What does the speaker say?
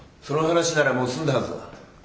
その話ならもう済んだはずだ。